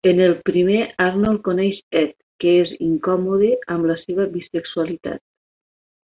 En el primer, Arnold coneix Ed, que és incòmode amb la seva bisexualitat.